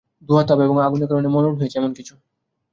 ধোয়া, তাপ এবং আগুনের কারণে হয়েছে এমন কিছু।